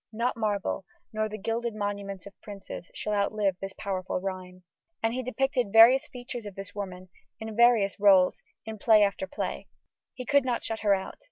Not marble, nor the gilded monuments Of princes, shall outlive this powerful rhyme. And he depicted various features of this woman, in various rôles, in play after play: he could not shut her out.